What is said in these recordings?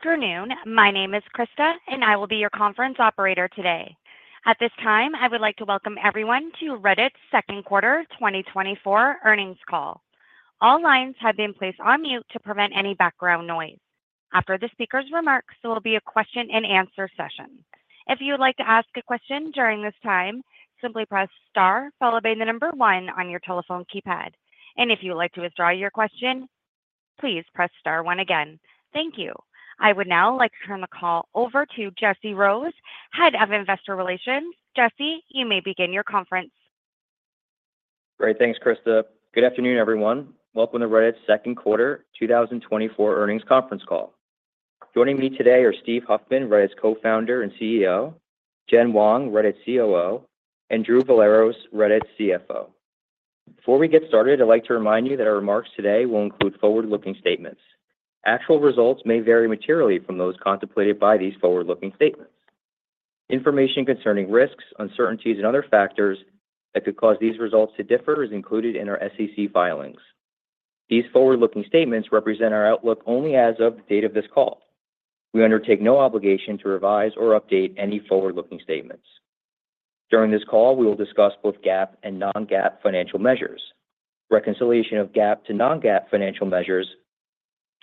Good afternoon. My name is Krista, and I will be your conference operator today. At this time, I would like to welcome everyone to Reddit's second quarter 2024 earnings call. All lines have been placed on mute to prevent any background noise. After the speaker's remarks, there will be a question and answer session. If you would like to ask a question during this time, simply press star, followed by the number 1 on your telephone keypad. If you would like to withdraw your question, please press star 1 again. Thank you. I would now like to turn the call over to Jesse Rose, Head of Investor Relations. Jesse, you may begin your conference. Great. Thanks, Krista. Good afternoon, everyone. Welcome to Reddit's second quarter 2024 earnings conference call. Joining me today are Steve Huffman, Reddit's Co-founder and CEO; Jen Wong, Reddit's COO; and Drew Vollero, Reddit's CFO. Before we get started, I'd like to remind you that our remarks today will include forward-looking statements. Actual results may vary materially from those contemplated by these forward-looking statements. Information concerning risks, uncertainties, and other factors that could cause these results to differ is included in our SEC filings. These forward-looking statements represent our outlook only as of the date of this call. We undertake no obligation to revise or update any forward-looking statements. During this call, we will discuss both GAAP and non-GAAP financial measures. Reconciliation of GAAP to non-GAAP financial measures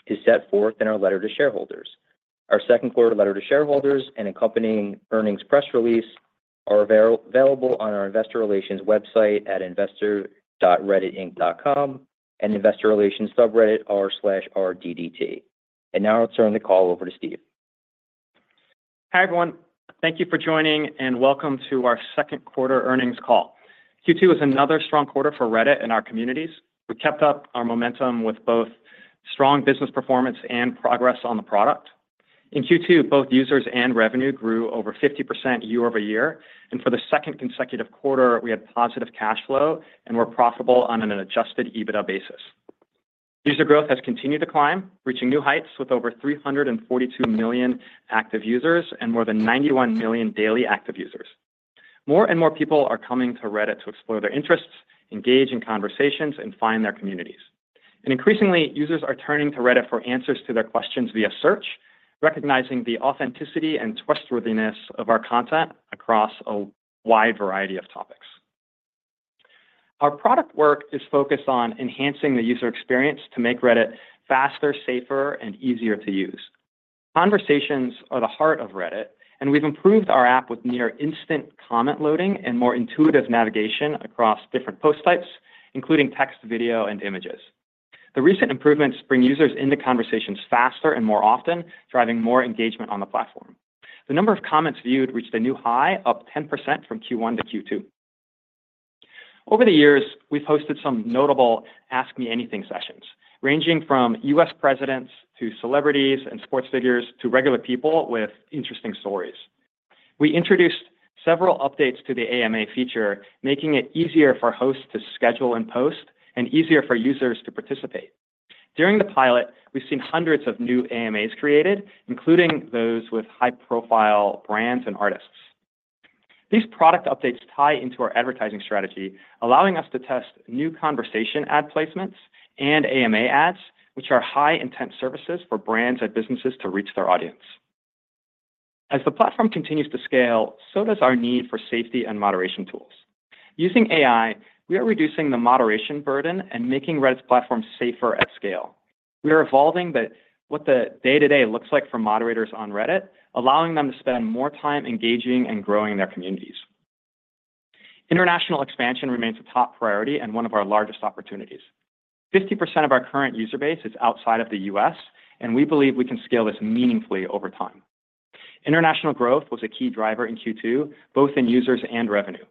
is set forth in our letter to shareholders. Our second quarter letter to shareholders and accompanying earnings press release are available on our investor relations website at investor.redditinc.com and investor relations subreddit, r/rddt. Now I'll turn the call over to Steve. Hi, everyone. Thank you for joining, and welcome to our second quarter earnings call. Q2 was another strong quarter for Reddit and our communities. We kept up our momentum with both strong business performance and progress on the product. In Q2, both users and revenue grew over 50% year-over-year, and for the second consecutive quarter, we had positive cash flow and were profitable on an Adjusted EBITDA basis. User growth has continued to climb, reaching new heights with over 342 million active users and more than 91 million daily active users. More and more people are coming to Reddit to explore their interests, engage in conversations, and find their communities. Increasingly, users are turning to Reddit for answers to their questions via search, recognizing the authenticity and trustworthiness of our content across a wide variety of topics. Our product work is focused on enhancing the user experience to make Reddit faster, safer, and easier to use. Conversations are the heart of Reddit, and we've improved our app with near-instant comment loading and more intuitive navigation across different post types, including text, video, and images. The recent improvements bring users into conversations faster and more often, driving more engagement on the platform. The number of comments viewed reached a new high, up 10% from Q1-Q2. Over the years, we've hosted some notable Ask Me Anything sessions, ranging from U.S. presidents to celebrities and sports figures to regular people with interesting stories. We introduced several updates to the AMA feature, making it easier for hosts to schedule and post, and easier for users to participate. During the pilot, we've seen hundreds of new AMAs created, including those with high-profile brands and artists. These product updates tie into our advertising strategy, allowing us to test new conversation ad placements and AMA ads, which are high-intent services for brands and businesses to reach their audience. As the platform continues to scale, so does our need for safety and moderation tools. Using AI, we are reducing the moderation burden and making Reddit's platform safer at scale. We are evolving what the day-to-day looks like for moderators on Reddit, allowing them to spend more time engaging and growing their communities. International expansion remains a top priority and one of our largest opportunities. 50% of our current user base is outside of the U.S., and we believe we can scale this meaningfully over time. International growth was a key driver in Q2, both in users and revenue.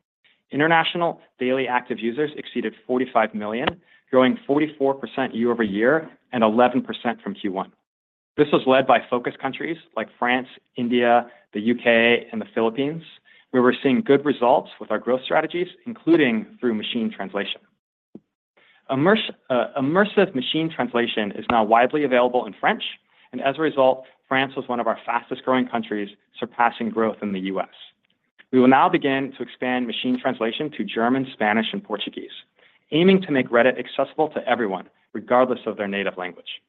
International daily active users exceeded 45 million, growing 44% year-over-year and 11% from Q1. This was led by focus countries like France, India, the UK, and the Philippines, where we're seeing good results with our growth strategies, including through machine translation. Immersive machine translation is now widely available in French, and as a result, France was one of our fastest-growing countries, surpassing growth in the US. We will now begin to expand machine translation to German, Spanish, and Portuguese, aiming to make Reddit accessible to everyone, regardless of their native language.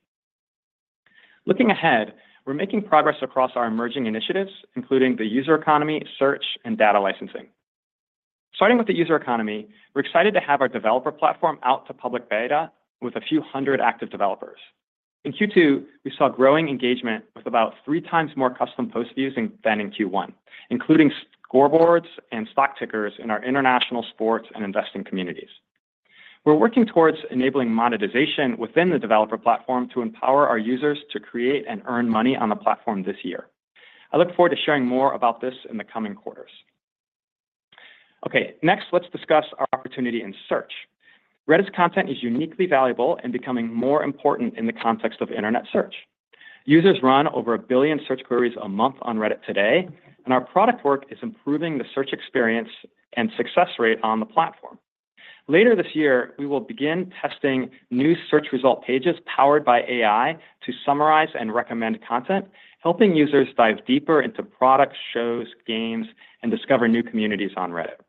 Looking ahead, we're making progress across our emerging initiatives, including the user economy, search, and data licensing. Starting with the user economy, we're excited to have our developer platform out to public beta with a few hundred active developers. In Q2, we saw growing engagement with about three times more custom post views than in Q1, including scoreboards and stock tickers in our international sports and investing communities. We're working towards enabling monetization within the developer platform to empower our users to create and earn money on the platform this year. I look forward to sharing more about this in the coming quarters. Okay, next, let's discuss our opportunity in search. Reddit's content is uniquely valuable and becoming more important in the context of internet search. Users run over 1 billion search queries a month on Reddit today, and our product work is improving the search experience and success rate on the platform. Later this year, we will begin testing new search result pages powered by AI to summarize and recommend content, helping users dive deeper into products, shows, games, and discover new communities on Reddit.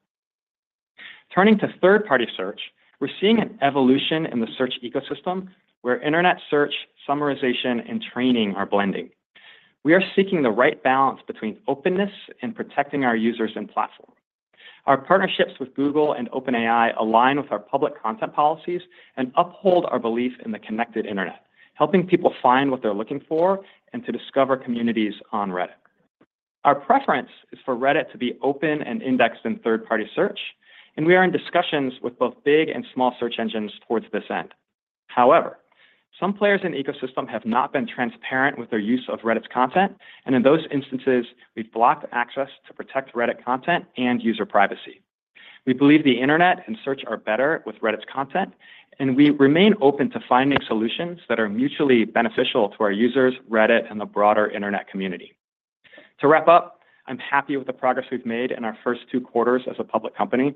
Turning to third-party search, we're seeing an evolution in the search ecosystem, where internet search, summarization, and training are blending. We are seeking the right balance between openness and protecting our users and platform. Our partnerships with Google and OpenAI align with our public content policies and uphold our belief in the connected internet, helping people find what they're looking for and to discover communities on Reddit. Our preference is for Reddit to be open and indexed in third-party search, and we are in discussions with both big and small search engines towards this end. However, some players in the ecosystem have not been transparent with their use of Reddit's content, and in those instances, we've blocked access to protect Reddit content and user privacy. We believe the internet and search are better with Reddit's content, and we remain open to finding solutions that are mutually beneficial to our users, Reddit, and the broader internet community. To wrap up, I'm happy with the progress we've made in our first two quarters as a public company.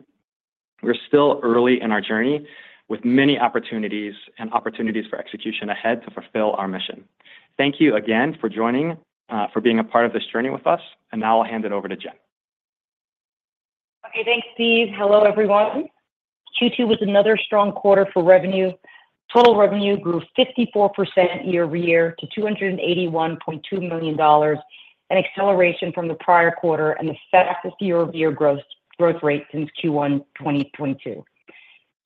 We're still early in our journey, with many opportunities and opportunities for execution ahead to fulfill our mission. Thank you again for joining, for being a part of this journey with us, and now I'll hand it over to Jen. Okay, thanks, Steve. Hello, everyone. Q2 was another strong quarter for revenue. Total revenue grew 54% year-over-year to $281.2 million, an acceleration from the prior quarter and the fastest year-over-year growth, growth rate since Q1 2022.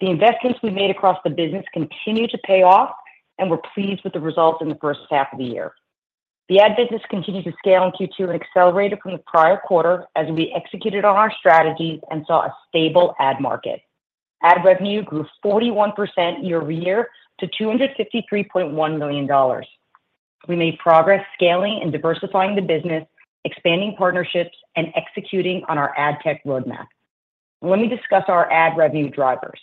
The investments we made across the business continue to pay off, and we're pleased with the results in the first half of the year. The ad business continued to scale in Q2 and accelerated from the prior quarter as we executed on our strategies and saw a stable ad market. Ad revenue grew 41% year-over-year to $253.1 million. We made progress scaling and diversifying the business, expanding partnerships, and executing on our ad tech roadmap. Let me discuss our ad revenue drivers.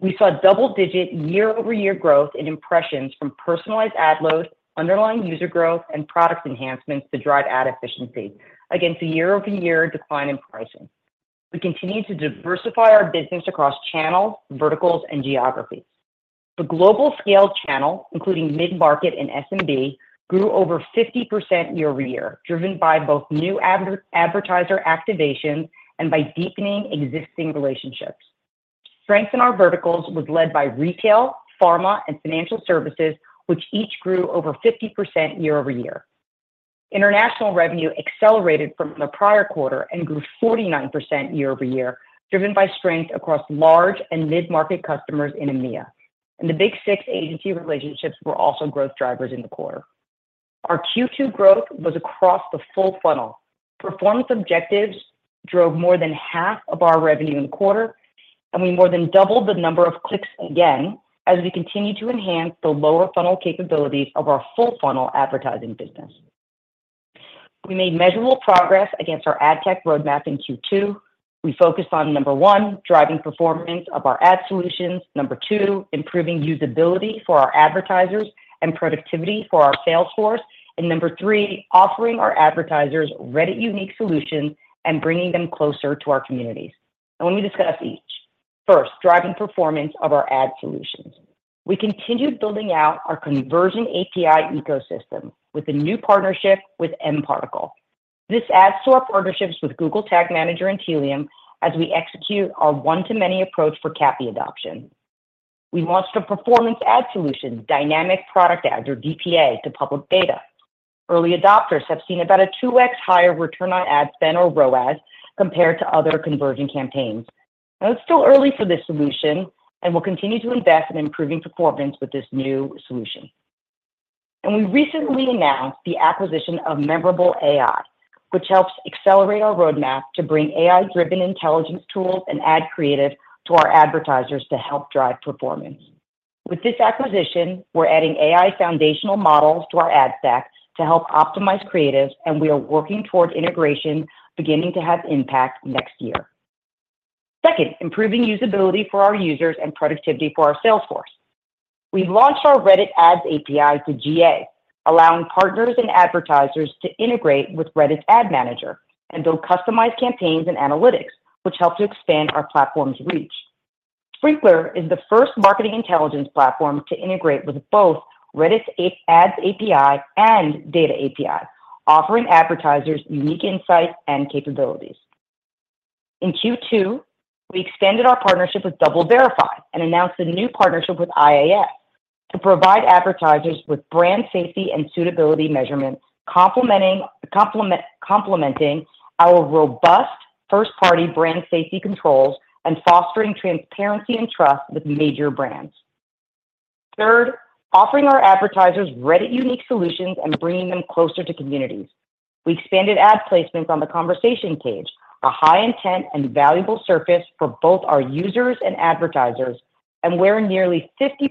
We saw double-digit year-over-year growth in impressions from personalized ad load, underlying user growth, and product enhancements to drive ad efficiency against a year-over-year decline in pricing. We continue to diversify our business across channels, verticals, and geographies. The global scale channel, including mid-market and SMB, grew over 50% year-over-year, driven by both new advertiser activations and by deepening existing relationships. Strength in our verticals was led by retail, pharma, and financial services, which each grew over 50% year-over-year. International revenue accelerated from the prior quarter and grew 49% year-over-year, driven by strength across large and mid-market customers in EMEA. The Big Six agency relationships were also growth drivers in the quarter. Our Q2 growth was across the full funnel. Performance objectives drove more than half of our revenue in the quarter, and we more than doubled the number of clicks again as we continue to enhance the lower funnel capabilities of our full funnel advertising business. We made measurable progress against our ad tech roadmap in Q2. We focused on 1, driving performance of our ad solutions, 2, improving usability for our advertisers and productivity for our sales force, and 3, offering our advertisers Reddit-unique solutions and bringing them closer to our communities. Let me discuss each. First, driving performance of our ad solutions. We continued building out our Conversion API ecosystem with a new partnership with mParticle. This adds to our partnerships with Google Tag Manager and Tealium as we execute our one-to-many approach for CAPI adoption. We launched a performance ad solution, Dynamic Product Ads, or DPA, to public beta. Early adopters have seen about a 2x higher return on ad spend or ROAS, compared to other conversion campaigns. Now, it's still early for this solution, and we'll continue to invest in improving performance with this new solution. We recently announced the acquisition of Memorable AI, which helps accelerate our roadmap to bring AI-driven intelligence tools and ad creative to our advertisers to help drive performance. With this acquisition, we're adding AI foundational models to our ad stack to help optimize creatives, and we are working towards integration beginning to have impact next year. Second, improving usability for our users and productivity for our sales force. We've launched our Reddit Ads API to GA, allowing partners and advertisers to integrate with Reddit Ad Manager and build customized campaigns and analytics, which help to expand our platform's reach. Sprinklr is the first marketing intelligence platform to integrate with both Reddit's Ads API and Data API, offering advertisers unique insights and capabilities. In Q2, we extended our partnership with DoubleVerify and announced a new partnership with IAS to provide advertisers with brand safety and suitability measurements, complementing our robust first-party brand safety controls and fostering transparency and trust with major brands. Third, offering our advertisers Reddit-unique solutions and bringing them closer to communities. We expanded ad placements on the conversation page, a high intent and valuable surface for both our users and advertisers, and where nearly 50%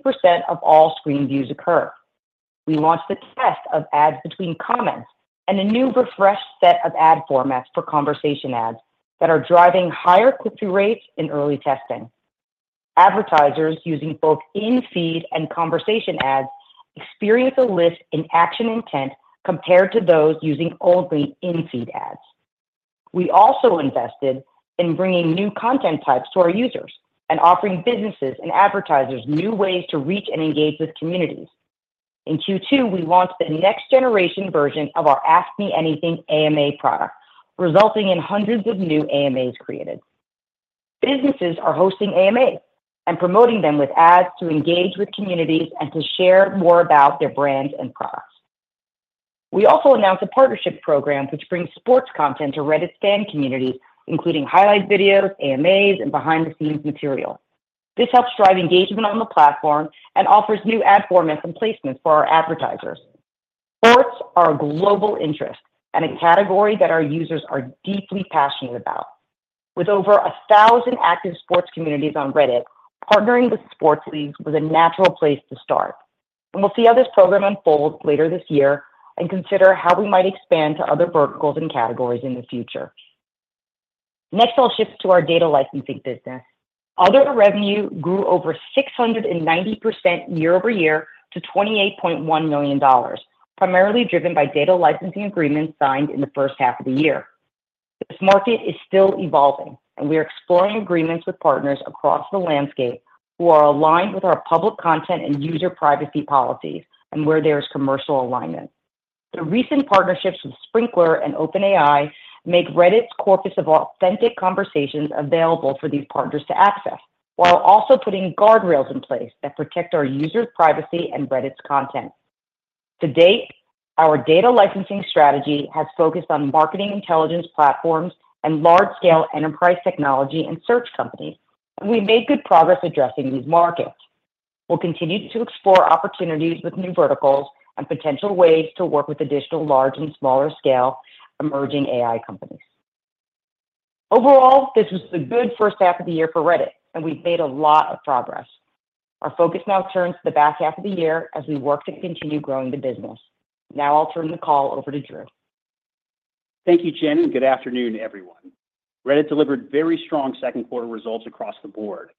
of all screen views occur. We launched the test of ads between comments and a new refreshed set of ad formats for conversation ads that are driving higher click-through rates in early testing. Advertisers using both in-feed and conversation ads experience a lift in action intent compared to those using only in-feed ads. We also invested in bringing new content types to our users and offering businesses and advertisers new ways to reach and engage with communities. In Q2, we launched the next generation version of our Ask Me Anything AMA product, resulting in hundreds of new AMAs created. Businesses are hosting AMAs and promoting them with ads to engage with communities and to share more about their brands and products. We also announced a partnership program which brings sports content to Reddit fan communities, including highlight videos, AMAs, and behind-the-scenes material. This helps drive engagement on the platform and offers new ad formats and placements for our advertisers. Sports are a global interest and a category that our users are deeply passionate about. With over 1,000 active sports communities on Reddit, partnering with sports leagues was a natural place to start, and we'll see how this program unfolds later this year and consider how we might expand to other verticals and categories in the future. Next, I'll shift to our data licensing business. Other revenue grew over 690% year-over-year to $28.1 million, primarily driven by data licensing agreements signed in the first half of the year. This market is still evolving, and we are exploring agreements with partners across the landscape who are aligned with our public content and user privacy policies and where there is commercial alignment. The recent partnerships with Sprinklr and OpenAI make Reddit's corpus of authentic conversations available for these partners to access, while also putting guardrails in place that protect our users' privacy and Reddit's content. To date, our data licensing strategy has focused on marketing intelligence platforms and large-scale enterprise technology and search companies, and we've made good progress addressing these markets. We'll continue to explore opportunities with new verticals and potential ways to work with additional large and smaller scale emerging AI companies. Overall, this was a good first half of the year for Reddit, and we've made a lot of progress. Our focus now turns to the back half of the year as we work to continue growing the business. Now I'll turn the call over to Drew. Thank you, Jen, and good afternoon, everyone. Reddit delivered very strong second quarter results across the board,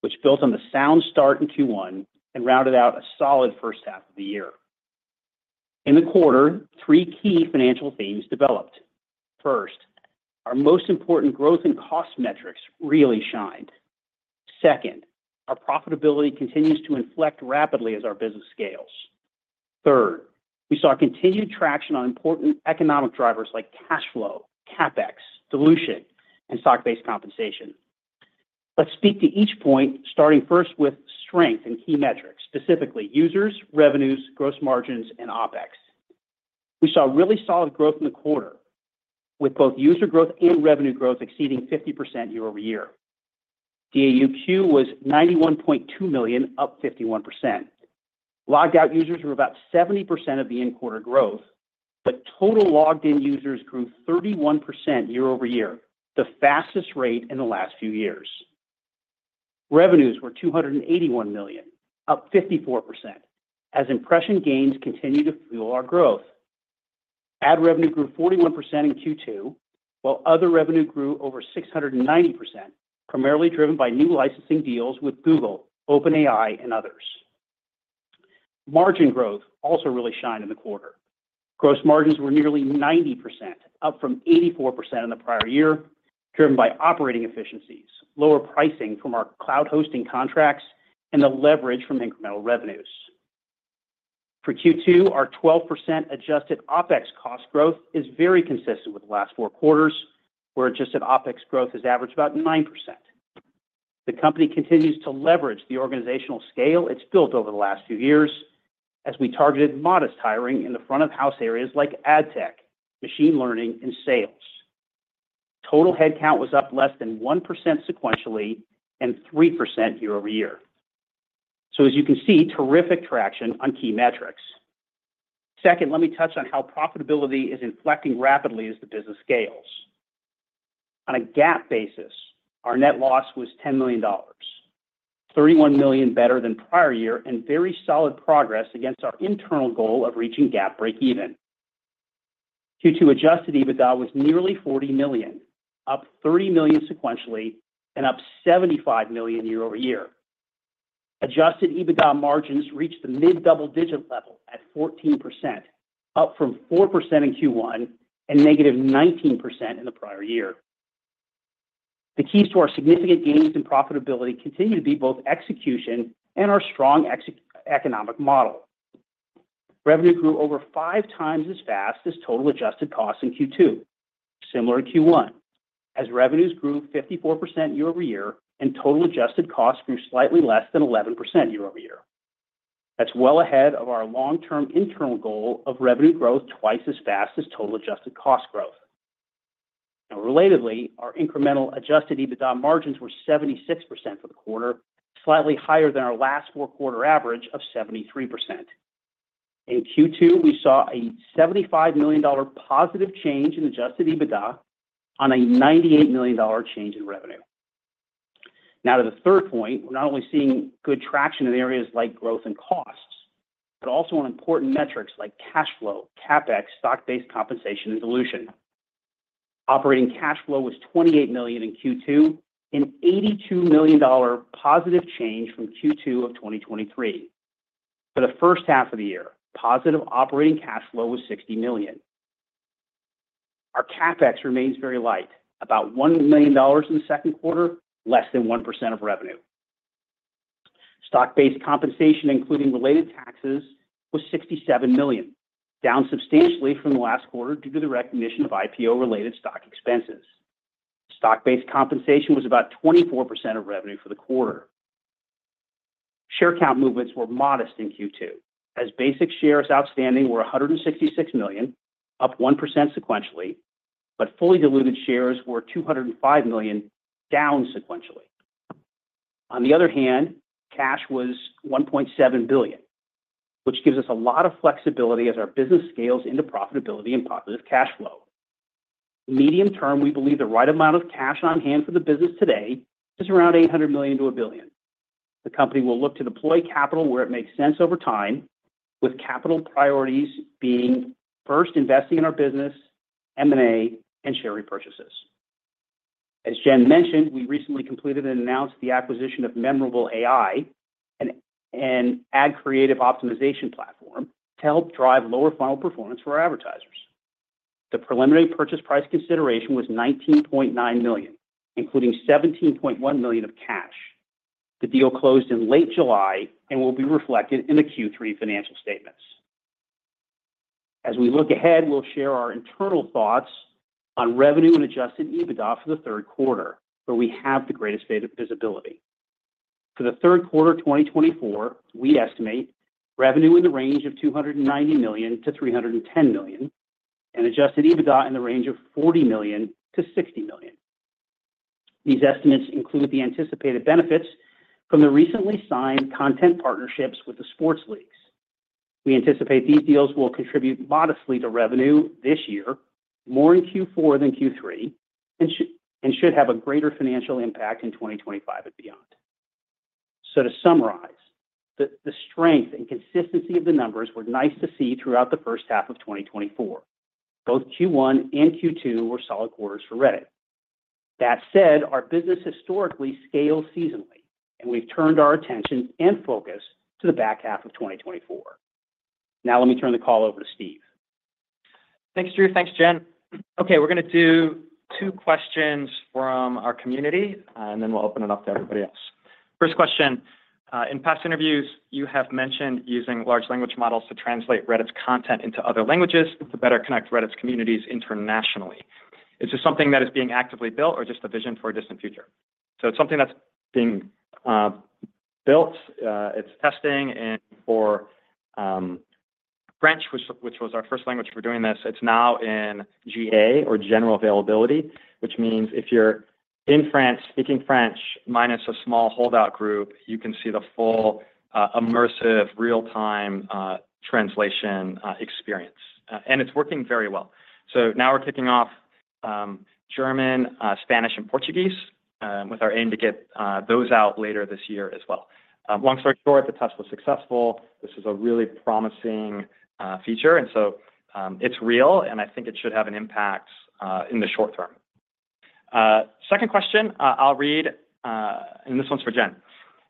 which built on the sound start in Q1 and rounded out a solid first half of the year. In the quarter, three key financial themes developed. First, our most important growth and cost metrics really shined. Second, our profitability continues to inflect rapidly as our business scales. Third, we saw continued traction on important economic drivers like cash flow, CapEx, dilution, and stock-based compensation. Let's speak to each point, starting first with strength and key metrics, specifically users, revenues, gross margins, and OpEx. We saw really solid growth in the quarter, with both user growth and revenue growth exceeding 50% year-over-year. DAUQ was 91.2 million, up 51%. Logged out users were about 70% of the in-quarter growth, but total logged-in users grew 31% year-over-year, the fastest rate in the last few years. Revenues were $281 million, up 54%, as impression gains continue to fuel our growth. Ad revenue grew 41% in Q2, while other revenue grew over 690%, primarily driven by new licensing deals with Google, OpenAI, and others. Margin growth also really shined in the quarter. Gross margins were nearly 90%, up from 84% in the prior year, driven by operating efficiencies, lower pricing from our cloud hosting contracts, and the leverage from incremental revenues. For Q2, our 12% adjusted OpEx cost growth is very consistent with the last four quarters, where adjusted OpEx growth has averaged about 9%. The company continues to leverage the organizational scale it's built over the last few years as we targeted modest hiring in the front-of-house areas like ad tech, machine learning, and sales. Total headcount was up less than 1% sequentially and 3% year-over-year. So as you can see, terrific traction on key metrics. Second, let me touch on how profitability is inflecting rapidly as the business scales. On a GAAP basis, our net loss was $10 million, $31 million better than prior year, and very solid progress against our internal goal of reaching GAAP breakeven. Q2 Adjusted EBITDA was nearly $40 million, up $30 million sequentially and up $75 million year-over-year. Adjusted EBITDA margins reached the mid-double-digit level at 14%, up from 4% in Q1 and negative 19% in the prior year. The keys to our significant gains and profitability continue to be both execution and our strong economic model. Revenue grew over 5 times as fast as total adjusted costs in Q2, similar to Q1, as revenues grew 54% year-over-year and total adjusted costs grew slightly less than 11% year-over-year. That's well ahead of our long-term internal goal of revenue growth twice as fast as total adjusted cost growth. Now, relatedly, our incremental adjusted EBITDA margins were 76% for the quarter, slightly higher than our last four-quarter average of 73%. In Q2, we saw a $75 million positive change in adjusted EBITDA on a $98 million change in revenue. Now, to the third point, we're not only seeing good traction in areas like growth and costs, but also on important metrics like cash flow, CapEx, stock-based compensation, and dilution. Operating cash flow was $28 million in Q2, an $82 million positive change from Q2 of 2023. For the first half of the year, positive operating cash flow was $60 million. Our CapEx remains very light, about $1 million in the second quarter, less than 1% of revenue. Stock-based compensation, including related taxes, was $67 million, down substantially from the last quarter due to the recognition of IPO-related stock expenses. Stock-based compensation was about 24% of revenue for the quarter. Share count movements were modest in Q2, as basic shares outstanding were 166 million, up 1% sequentially, but fully diluted shares were 205 million, down sequentially. On the other hand, cash was $1.7 billion, which gives us a lot of flexibility as our business scales into profitability and positive cash flow. Medium term, we believe the right amount of cash on hand for the business today is around $800 million-$1 billion. The company will look to deploy capital where it makes sense over time, with capital priorities being first investing in our business, M&A, and share repurchases. As Jen mentioned, we recently completed and announced the acquisition of Memorable AI, an ad creative optimization platform to help drive lower funnel performance for our advertisers. The preliminary purchase price consideration was $19.9 million, including $17.1 million of cash. The deal closed in late July and will be reflected in the Q3 financial statements. As we look ahead, we'll share our internal thoughts on revenue and Adjusted EBITDA for the third quarter, where we have the greatest state of visibility. For the third quarter of 2024, we estimate revenue in the range of $290 million-$310 million, and Adjusted EBITDA in the range of $40 million-$60 million. These estimates include the anticipated benefits from the recently signed content partnerships with the sports leagues. We anticipate these deals will contribute modestly to revenue this year, more in Q4 than Q3, and should have a greater financial impact in 2025 and beyond. So to summarize, the strength and consistency of the numbers were nice to see throughout the first half of 2024. Both Q1 and Q2 were solid quarters for Reddit. That said, our business historically scales seasonally, and we've turned our attention and focus to the back half of 2024. Now let me turn the call over to Steve. Thanks, Drew. Thanks, Jen. Okay, we're going to do two questions from our community, and then we'll open it up to everybody else. First question: In past interviews, you have mentioned using large language models to translate Reddit's content into other languages to better connect Reddit's communities internationally. Is this something that is being actively built or just a vision for a distant future? So it's something that's being built. It's testing. And for French, which was our first language for doing this, it's now in GA or general availability, which means if you're in France speaking French, minus a small holdout group, you can see the full immersive, real-time translation experience. And it's working very well. So now we're kicking off German, Spanish, and Portuguese with our aim to get those out later this year as well. Long story short, the test was successful. This is a really promising feature, and so it's real, and I think it should have an impact in the short term. Second question, I'll read, and this one's for Jen: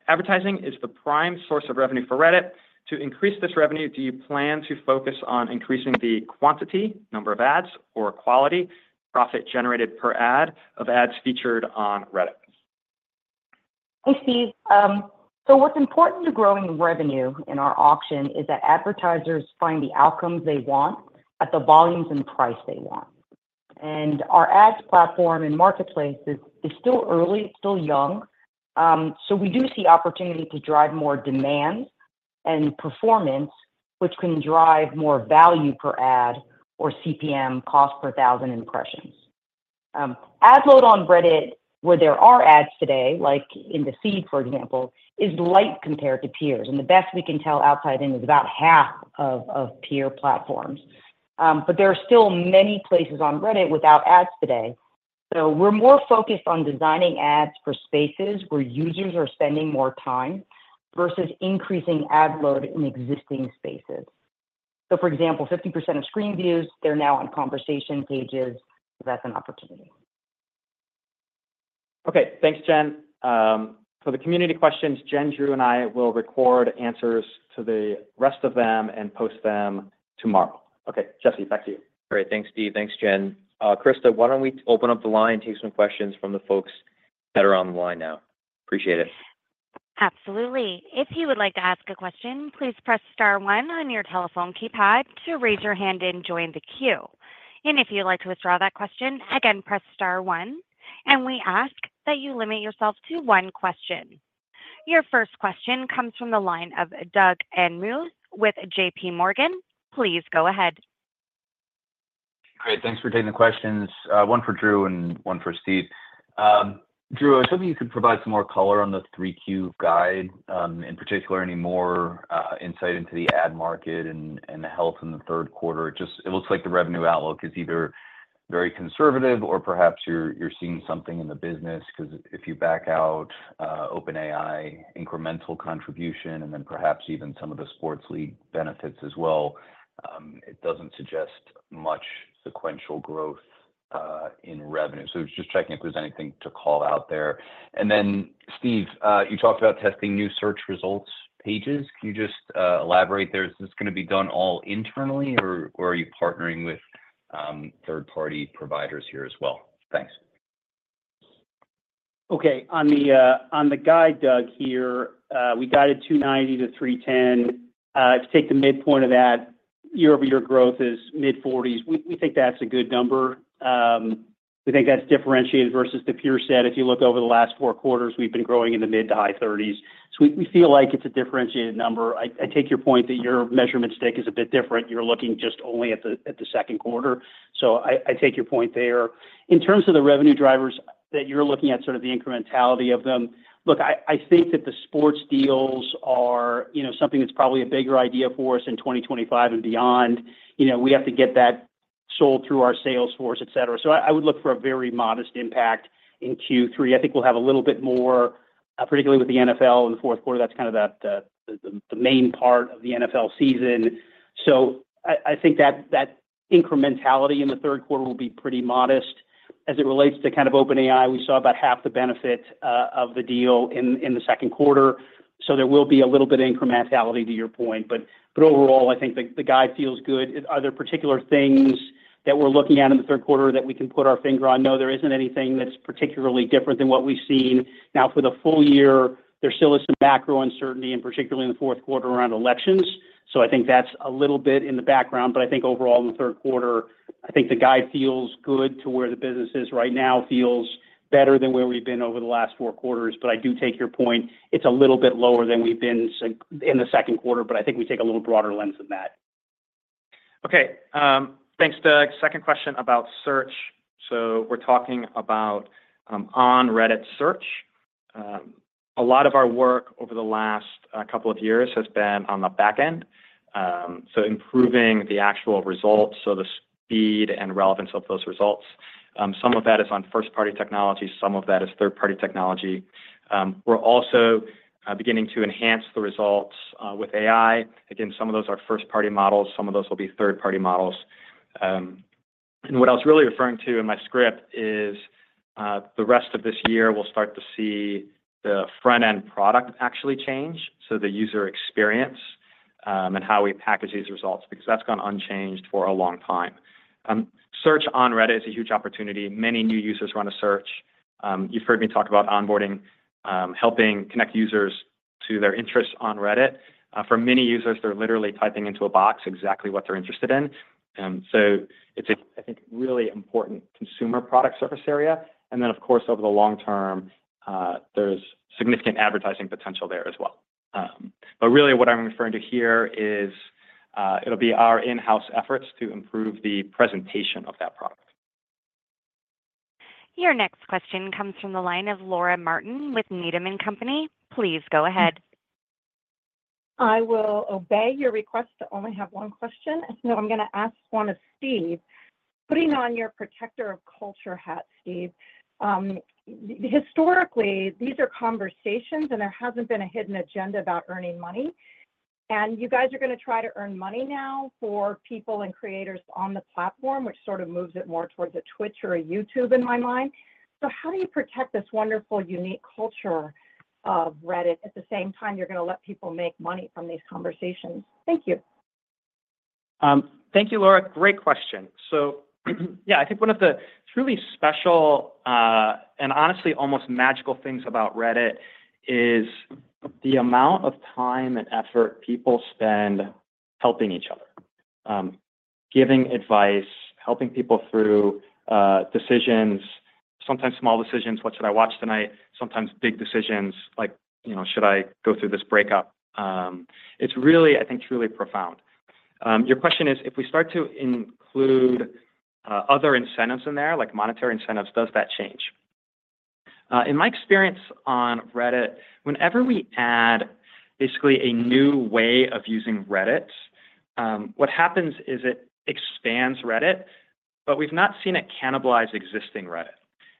Advertising is the prime source of revenue for Reddit. To increase this revenue, do you plan to focus on increasing the quantity, number of ads, or quality, profit generated per ad, of ads featured on Reddit? Hey, Steve. So what's important to growing revenue in our auction is that advertisers find the outcomes they want at the volumes and price they want. And our ads platform and marketplace is still early, it's still young, so we do see opportunity to drive more demand and performance, which can drive more value per ad or CPM, cost per thousand impressions. Ad load on Reddit, where there are ads today, like in the feed, for example, is light compared to peers, and the best we can tell outside in is about half of peer platforms. But there are still many places on Reddit without ads today. So we're more focused on designing ads for spaces where users are spending more time versus increasing ad load in existing spaces. So, for example, 50% of screen views, they're now on conversation pages. That's an opportunity. Okay. Thanks, Jen. For the community questions, Jen, Drew, and I will record answers to the rest of them and post them tomorrow. Okay, Jesse, back to you. Great. Thanks, Steve. Thanks, Jen. Krista, why don't we open up the line and take some questions from the folks that are on the line now? Appreciate it. Absolutely. If you would like to ask a question, please press star one on your telephone keypad to raise your hand and join the queue. If you'd like to withdraw that question, again, press star one, and we ask that you limit yourself to one question. Your first question comes from the line of Doug Anmuth with JPMorgan. Please go ahead. Great. Thanks for taking the questions, one for Drew and one for Steve. Drew, I was hoping you could provide some more color on the 3Q guide, in particular, any more insight into the ad market and the health in the third quarter. Just, it looks like the revenue outlook is either very conservative or perhaps you're seeing something in the business, because if you back out OpenAI incremental contribution, and then perhaps even some of the sports league benefits as well, it doesn't suggest much sequential growth in revenue. So just checking if there's anything to call out there. And then, Steve, you talked about testing new search results pages. Can you just elaborate there? Is this gonna be done all internally, or are you partnering with third-party providers here as well? Thanks. On the, on the guide, Doug, here, we guided $290-$310. If you take the midpoint of that, year-over-year growth is mid 40s. We, we think that's a good number. We think that's differentiated versus the peer set. If you look over the last four quarters, we've been growing in the mid- to high 30s, we feel like it's a differentiated number. I, I take your point that your measurement stick is a bit different. You're looking just only at the, at the second quarter, so I, I take your point there. In terms of the revenue drivers that you're looking at, sort of the incrementality of them I think that the sports deals are something that's probably a bigger idea for us in 2025 and beyond. We have to get that sold through our sales force, et cetera. I would look for a very modest impact in Q3. I think we'll have a little bit more, particularly with the NFL in the fourth quarter. That's kind of the main part of the NFL season. I think that incrementality in the third quarter will be pretty modest. As it relates to kind of OpenAI, we saw about half the benefit of the deal in the second quarter, so there will be a little bit of incrementality to your point. But overall, I think the guide feels good. Are there particular things that we're looking at in the third quarter that we can put our finger on? No, there isn't anything that's particularly different than what we've seen. Now, for the full year, there still is some macro uncertainty, and particularly in the fourth quarter around elections, so I think that's a little bit in the background. But I think overall in the third quarter, I think the guide feels good to where the business is right now, feels better than where we've been over the last four quarters. But I do take your point. It's a little bit lower than we've been in the second quarter, but I think we take a little broader lens than that. Okay, thanks, Doug. Second question about search. So we're talking about on Reddit search. A lot of our work over the last couple of years has been on the back end, so improving the actual results, so the speed and relevance of those results. Some of that is on first-party technology, some of that is third-party technology. We're also beginning to enhance the results with AI. Again, some of those are first-party models, some of those will be third-party models. And what I was really referring to in my script is the rest of this year, we'll start to see the front-end product actually change, so the user experience and how we package these results, because that's gone unchanged for a long time. Search on Reddit is a huge opportunity. Many new users run a search. You've heard me talk about onboarding, helping connect users to their interests on Reddit. For many users, they're literally typing into a box exactly what they're interested in. So it's a, I think, really important consumer product surface area, and then, of course, over the long term, there's significant advertising potential there as well. But really, what I'm referring to here is, it'll be our in-house efforts to improve the presentation of that product. Your next question comes from the line of Laura Martin with Needham & Company. Please go ahead. I will obey your request to only have one question. I'm going to ask one of Steve. Putting on your protector of culture hat, Steve, historically, these are conversations, and there hasn't been a hidden agenda about earning money. You guys are going to try to earn money now for people and creators on the platform, which sort of moves it more towards a Twitch or a YouTube in my mind. How do you protect this wonderful, unique culture of Reddit at the same time you're going to let people make money from these conversations? Thank you. Thank you, Laura. Great question. So yeah, I think one of the truly special, and honestly, almost magical things about Reddit is the amount of time and effort people spend helping each other. Giving advice, helping people through, decisions, sometimes small decisions, what should I watch tonight? Sometimes big decisions like, you know, should I go through this breakup? It's really... I think it's really profound. Your question is, if we start to include, other incentives in there, like monetary incentives, does that change? In my experience on Reddit, whenever we add basically a new way of using Reddit, what happens is it expands Reddit, but we've not seen it cannibalize existing Reddit.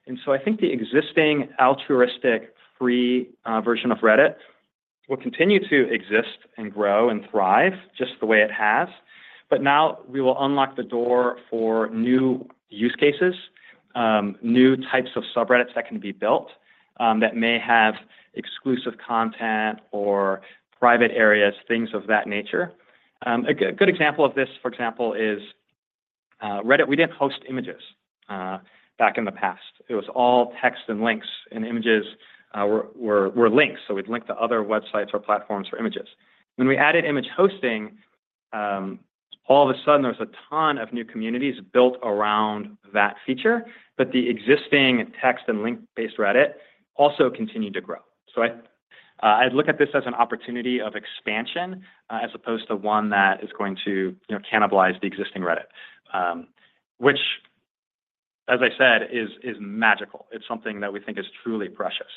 And so I think the existing altruistic, free, version of Reddit will continue to exist, and grow, and thrive just the way it has. Now we will unlock the door for new use cases, new types of subreddits that can be built, that may have exclusive content or private areas, things of that nature. A good example of this, for example, is Reddit. We didn't host images back in the past. It was all text and links, and images were links, so we'd link to other websites or platforms for images. When we added image hosting, all of a sudden, there was a ton of new communities built around that feature, but the existing text and link-based Reddit also continued to grow. So I'd look at this as an opportunity of expansion, as opposed to one that is going to, you know, cannibalize the existing Reddit, which, as I said, is magical. It's something that we think is truly precious.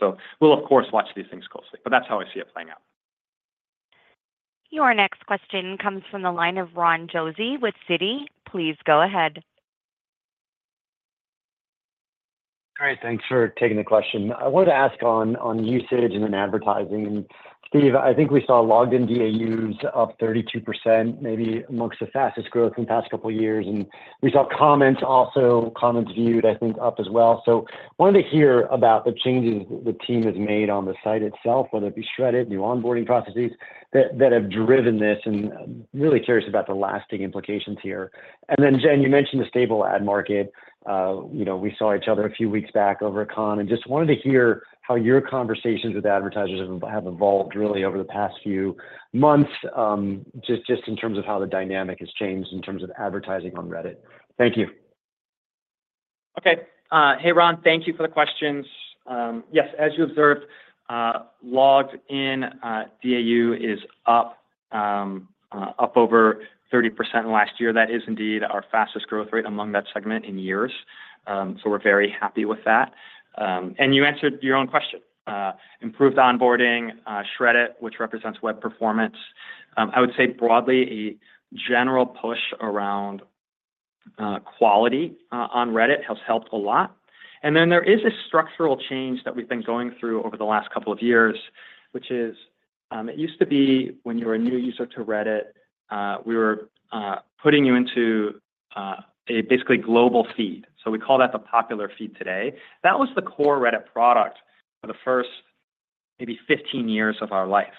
So we'll, of course, watch these things closely, but that's how I see it playing out. Your next question comes from the line of Ron Josey with Citi. Please go ahead. Great, thanks for taking the question. I wanted to ask on usage and then advertising. Steve, I think we saw logged-in DAUs up 32%, maybe amongst the fastest growth in the past couple of years, and we saw comments also, comments viewed, I think, up as well. Wanted to hear about the changes the team has made on the site itself, whether it be Shreddit, new onboarding processes, that have driven this, and I'm really curious about the lasting implications here. Then, Jen, you mentioned the stable ad market. You know, we saw each other a few weeks back over at Cannes, and just wanted to hear how your conversations with advertisers have evolved really over the past few months, just in terms of how the dynamic has changed in terms of advertising on Reddit. Thank you. Okay, hey, Ron, thank you for the questions. Yes, as you observed, logged in DAU is up over 30% last year. That is indeed our fastest growth rate among that segment in years. We're very happy with that. And you answered your own question. Improved onboarding, Shreddit, which represents web performance. I would say broadly, a general push around quality on Reddit has helped a lot. Then there is a structural change that we've been going through over the last couple of years, which is, it used to be when you were a new user to Reddit, we were putting you into a basically global feed. So we call that the popular feed today. That was the core Reddit product for the first maybe 15 years of our life.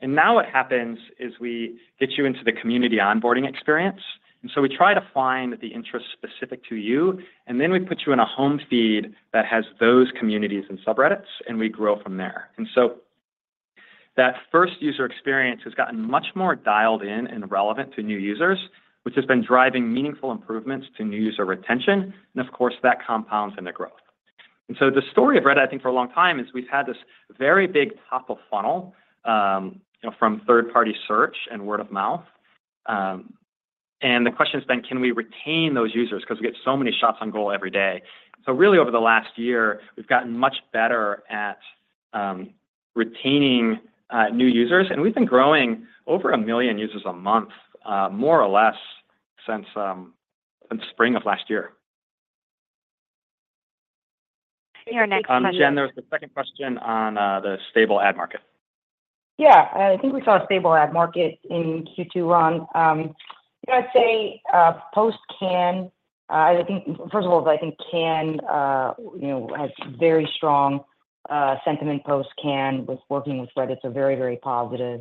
Now what happens is we get you into the community onboarding experience, and so we try to find the interest specific to you, and then we put you in a home feed that has those communities and subreddits, and we grow from there. And so that first user experience has gotten much more dialed in and relevant to new users, which has been driving meaningful improvements to new user retention, and of course, that compounds in the growth. The story of Reddit, I think for a long time, is we've had this very big top of funnel, you know, from third-party search and word of mouth. The question is then, can we retain those users? Because we get so many shots on goal every day. So really, over the last year, we've gotten much better at retaining new users, and we've been growing over 1 million users a month, more or less since spring of last year. Jen, there was the second question on the stable ad market. Yeah, I think we saw a stable ad market in Q2, Ron. I'd say, post-Cannes, I think, first of all, I think Cannes, you know, has very strong, sentiment post-Cannes with working with Reddit are very, very positive.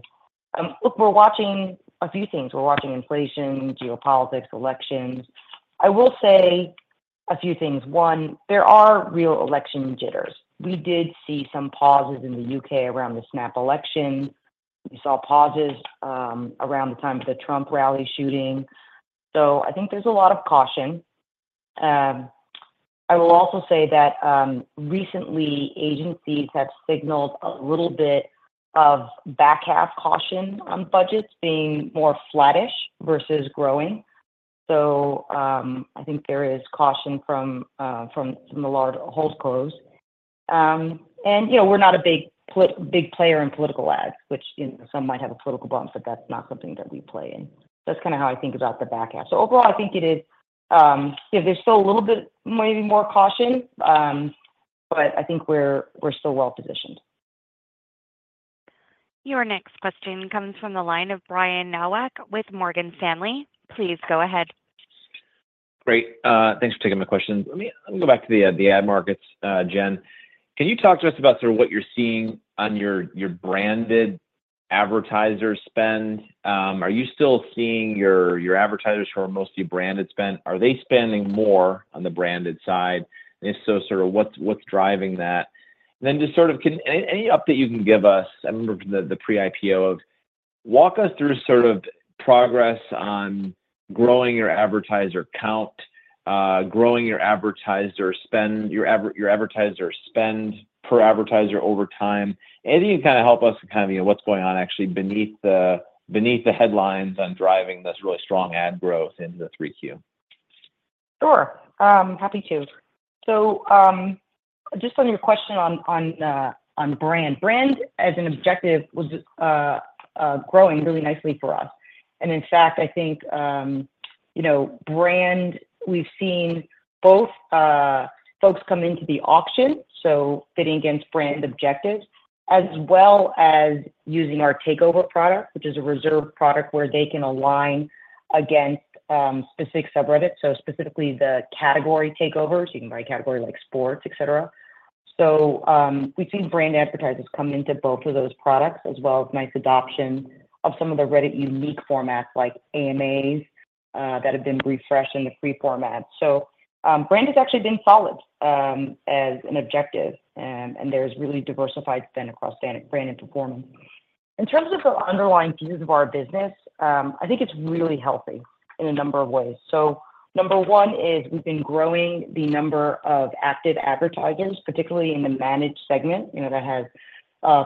Look, we're watching a few things. We're watching inflation, geopolitics, elections. I will say a few things. One, there are real election jitters. We did see some pauses in the U.K. around the snap election. We saw pauses, around the time of the Trump rally shooting. So I think there's a lot of caution. I will also say that, recently, agencies have signaled a little bit of back half caution on budgets being more flattish versus growing. So, I think there is caution from the large holds close. And, you know, we're not a big player in political ads, which, you know, some might have a political bump, but that's not something that we play in. That's kinda how I think about the back half. So overall, I think it is, yeah, there's still a little bit maybe more caution, but I think we're, we're still well-positioned. Your next question comes from the line of Brian Nowak with Morgan Stanley. Please go ahead. Great. Thanks for taking my question. Let me go back to the ad markets, Jen. Can you talk to us about sort of what you're seeing on your branded advertiser spend? Are you still seeing your advertisers who are mostly branded spend, are they spending more on the branded side? And if so, what's driving that? Then just sort of any update you can give us, I remember the pre-IPO. Walk us through sort of progress on growing your advertiser count, growing your advertiser spend, your advertiser spend per advertiser over time. Anything to kind of help us kind of what's going on actually beneath the headlines on driving this really strong ad growth into 3Q? Sure, I'm happy to. So just on your question on brand. Brand, as an objective, was growing really nicely for us. And in fact, I think you know, brand, we've seen both folks come into the auction, so bidding against brand objectives, as well as using our takeover product, which is a reserve product where they can align against specific subreddits. So specifically the category takeovers. You can buy categories like sports, et cetera. So we've seen brand advertisers come into both of those products, as well as nice adoption of some of the Reddit unique formats like AMAs that have been refreshed in the free format. So brand has actually been solid as an objective, and there's really diversified spend across brand and performance. In terms of the underlying pieces of our business, I think it's really healthy in a number of ways. So number one is we've been growing the number of active advertisers, particularly in the managed segment, you know, that has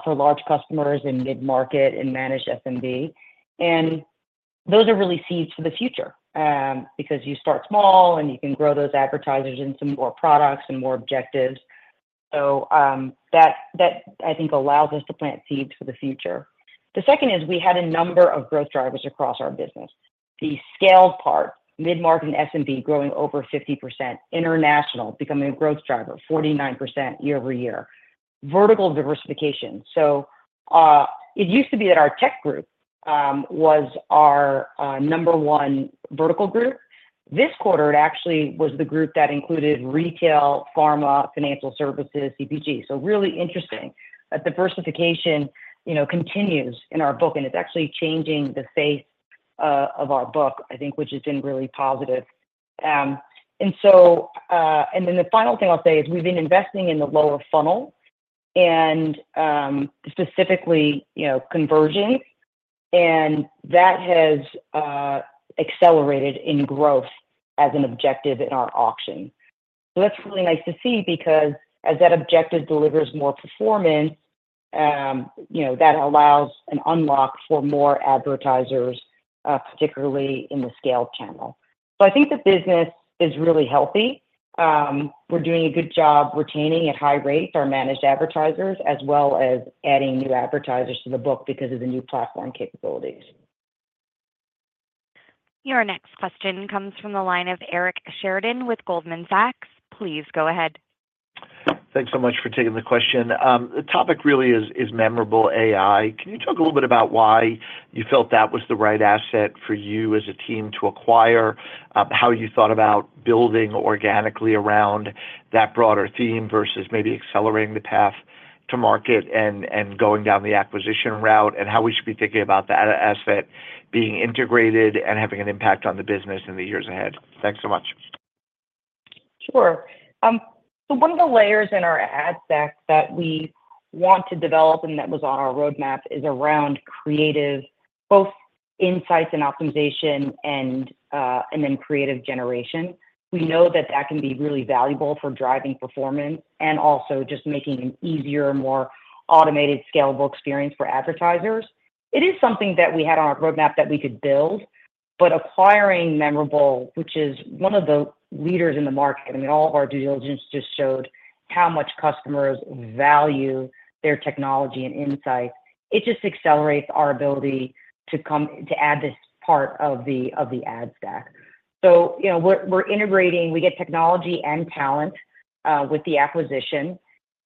for large customers and mid-market and managed SMB. And those are really seeds for the future, because you start small, and you can grow those advertisers in some more products and more objectives. So, that, that, I think, allows us to plant seeds for the future. The second is we had a number of growth drivers across our business. The scale part, mid-market and SMB, growing over 50%. International, becoming a growth driver, 49% year-over-year. Vertical diversification. So, it used to be that our tech group was our number one vertical group. This quarter, it actually was the group that included retail, pharma, financial services, CPG. So really interesting. That diversification, you know, continues in our book, and it's actually changing the face, of our book, I think, which has been really positive. And so, and then the final thing I'll say is we've been investing in the lower funnel and, specifically, you know, conversion. And that has accelerated in growth as an objective in our auction. So that's really nice to see, because as that objective delivers more performance, you know, that allows an unlock for more advertisers, particularly in the scale channel. So I think the business is really healthy. We're doing a good job retaining at high rates our managed advertisers, as well as adding new advertisers to the book because of the new platform capabilities. Your next question comes from the line of Eric Sheridan with Goldman Sachs. Please go ahead. Thanks so much for taking the question. The topic really is Memorable AI. Can you talk a little bit about why you felt that was the right asset for you as a team to acquire? How you thought about building organically around that broader theme versus maybe accelerating the path to market and going down the acquisition route, and how we should be thinking about that asset being integrated and having an impact on the business in the years ahead? Thanks so much. Sure. So one of the layers in our ad stack that we want to develop, and that was on our roadmap, is around creative, both insights and optimization and, and then creative generation. We know that that can be really valuable for driving performance and also just making an easier, more automated, scalable experience for advertisers. It is something that we had on our roadmap that we could build, but acquiring Memorable, which is one of the leaders in the market, I mean, all of our due diligence just showed how much customers value their technology and insights. It just accelerates our ability to add this part of the, of the ad stack. So, you know, we're integrating. We get technology and talent with the acquisition,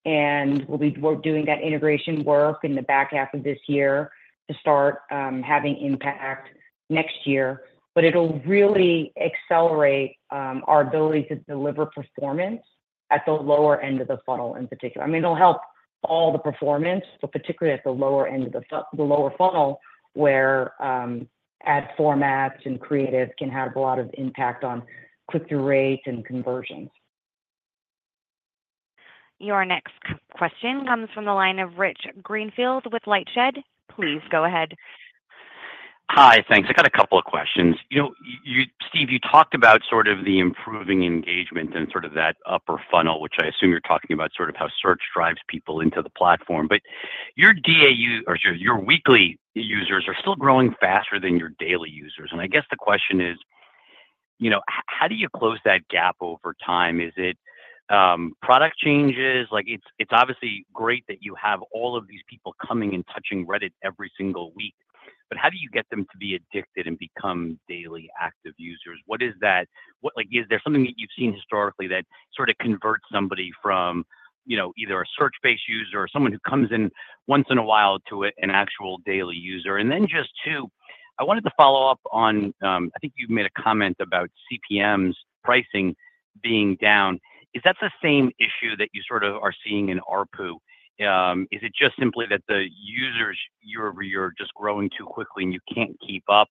and we're doing that integration work in the back half of this year to start having impact next year. But it'll really accelerate our ability to deliver performance at the lower end of the funnel in particular. I mean, it'll help all the performance, but particularly at the lower end of the lower funnel, where ad formats and creative can have a lot of impact on click-through rates and conversions. Your next question comes from the line of Rich Greenfield with LightShed. Please go ahead. Hi. Thanks. I got a couple of questions. You know, you, Steve, you talked about sort of the improving engagement and sort of that upper funnel, which I assume you're talking about sort of how search drives people into the platform. But your DAU, or your, your weekly users are still growing faster than your daily users. And I guess the question is how do you close that gap over time? Is it, product changes? Like, it's, it's obviously great that you have all of these people coming and touching Reddit every single week, but how do you get them to be addicted and become daily active users? What is that... What, like, is there something that you've seen historically that sort of converts somebody from, you know, either a search-based user or someone who comes in once in a while to an actual daily user? And then just, two, I wanted to follow up on, I think you made a comment about CPMs pricing being down. Is that the same issue that you sort of are seeing in ARPU? Is it just simply that the users year-over-year are just growing too quickly, and you can't keep up,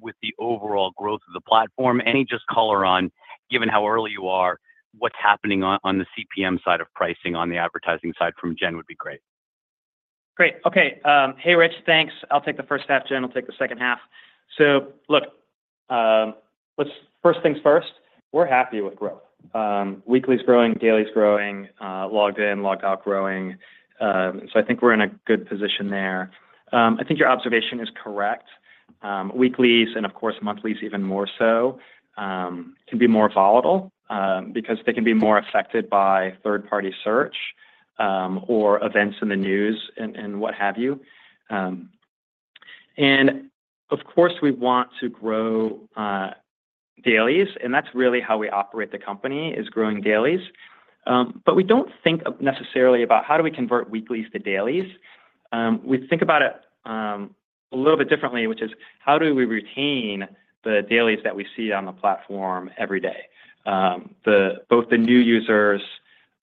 with the overall growth of the platform? Any just color on, given how early you are, what's happening on the CPM side of pricing, on the advertising side from Jen would be great. Great. Okay, hey, Rich. Thanks. I'll take the first half, Jen will take the second half. So look, let's first things first, we're happy with growth. Weekly's growing, daily's growing, logged in, logged out growing, so I think we're in a good position there. I think your observation is correct. Weeklies, and of course, monthlies even more so, can be more volatile, because they can be more affected by third-party search, or events in the news and, and what have you. And of course, we want to grow dailies, and that's really how we operate the company, is growing dailies. But we don't think of necessarily about how do we convert weeklies to dailies. We think about it a little bit differently, which is: How do we retain the dailies that we see on the platform every day? Both the new users,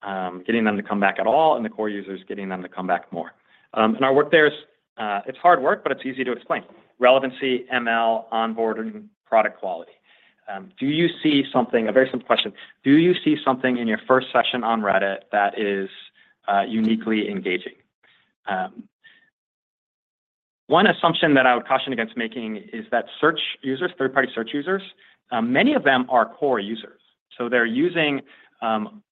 getting them to come back at all, and the core users, getting them to come back more. And our work there is, it's hard work, but it's easy to explain. Relevancy, ML, onboarding, product quality. Do you see something. A very simple question: Do you see something in your first session on Reddit that is uniquely engaging? One assumption that I would caution against making is that search users, third-party search users, many of them are core users. So they're using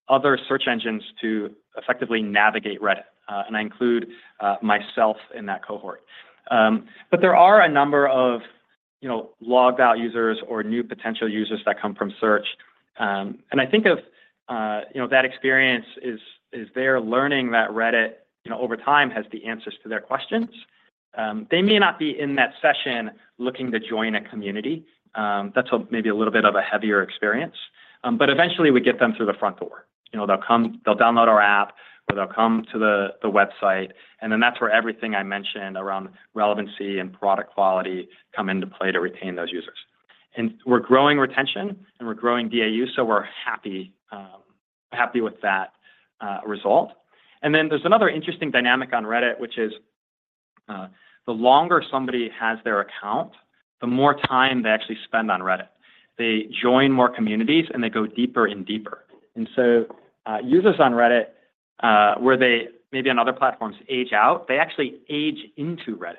other search engines to effectively navigate Reddit, and I include myself in that cohort. But there are a number of, logged-out users or new potential users that come from search. I think of that experience is they're learning that Reddit, you know, over time, has the answers to their questions. They may not be in that session looking to join a community. That's maybe a little bit of a heavier experience. But eventually, we get them through the front door. They'll come, they'll download our app, or they'll come to the website, and then that's where everything I mentioned around relevancy and product quality come into play to retain those users. We're growing retention, and we're growing DAU, so we're happy, happy with that result. Then there's another interesting dynamic on Reddit, which is the longer somebody has their account, the more time they actually spend on Reddit. They join more communities, and they go deeper and deeper. And so, users on Reddit, where they maybe on other platforms age out, they actually age into Reddit,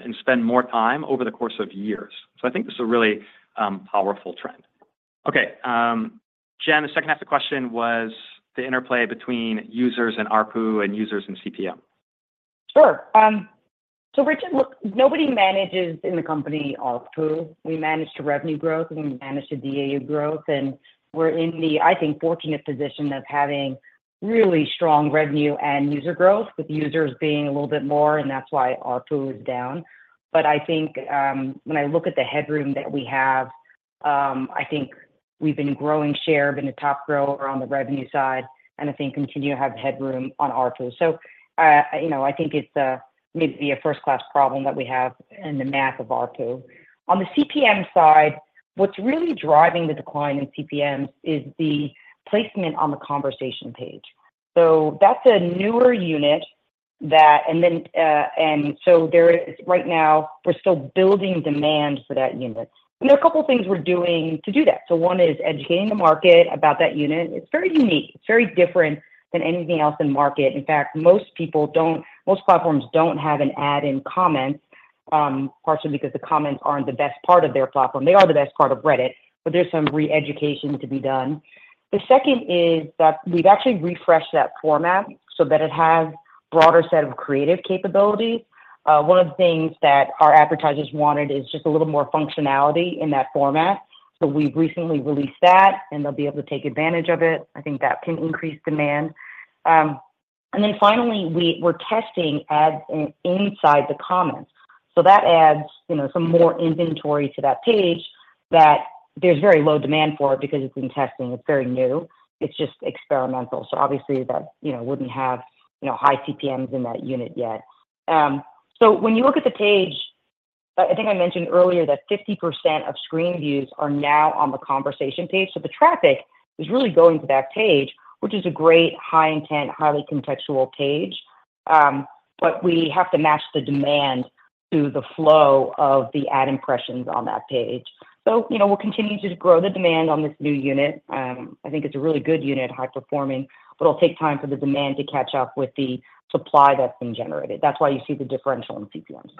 and spend more time over the course of years. So I think this is a really powerful trend. Okay, Jen, the second half of the question was the interplay between users and ARPU, and users and CPM. Sure. So Richard, look, nobody manages in the company ARPU. We manage the revenue growth, and we manage the DAU growth, and we're in the, I think, fortunate position of having really strong revenue and user growth, with users being a little bit more, and that's why ARPU is down. But I think, when I look at the headroom that we have, I think we've been growing share, been the top grower on the revenue side, and I think continue to have headroom on ARPU. So, you know, I think it's maybe a first-class problem that we have in the math of ARPU. On the CPM side, what's really driving the decline in CPMs is the placement on the conversation page. So that's a newer unit that... And then, and so there is, right now, we're still building demand for that unit. There are a couple of things we're doing to do that. One is educating the market about that unit. It's very unique. It's very different than anything else in the market. In fact, most platforms don't have an ad in comments, partially because the comments aren't the best part of their platform. They are the best part of Reddit, but there's some re-education to be done. The second is that we've actually refreshed that format so that it has a broader set of creative capability. One of the things that our advertisers wanted is just a little more functionality in that format. So we've recently released that, and they'll be able to take advantage of it. I think that can increase demand. And then finally, we're testing ads inside the comments. So that adds, you know, some more inventory to that page that there's very low demand for it because it's in testing. It's very new. It's just experimental. So obviously, that wouldn't have high CPMs in that unit yet. When you look at the page, I think I mentioned earlier that 50% of screen views are now on the conversation page. So the traffic is really going to that page, which is a great high intent, highly contextual page. But we have to match the demand to the flow of the ad impressions on that page. Will continue to grow the demand on this new unit. I think it's a really good unit, high performing, but it'll take time for the demand to catch up with the supply that's been generated. That's why you see the differential in CPMs.